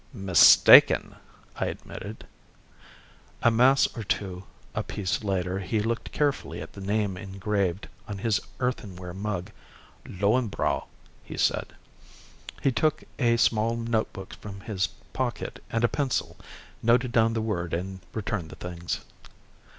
"Mistaken," I admitted. A mass or two apiece later he looked carefully at the name engraved on his earthenware mug. "Löwenbräu," he said. He took a small notebook from his pocket and a pencil, noted down the word and returned the things.